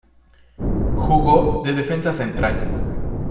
Jugó de defensa central.